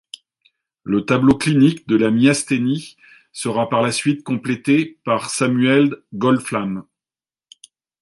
Le tableau clinique de la myasthénie sera par la suite complété par Samuel Goldflam.